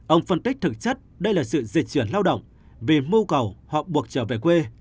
ông phân tích thực chất đây là sự diệt chuyển lao động vì mưu cầu họ buộc trở về quê